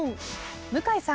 向井さん。